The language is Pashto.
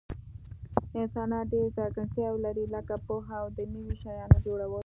انسانان ډیر ځانګړتیاوي لري لکه پوهه او د نوي شیانو جوړول